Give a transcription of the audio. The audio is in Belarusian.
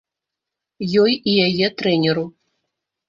Ёй і яе трэнеру.